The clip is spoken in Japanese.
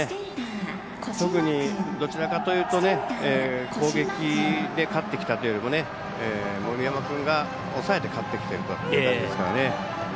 特にどちらかというと攻撃で勝ってきたというよりも森山君が抑えて勝ってきてるという感じですから。